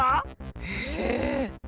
へえ。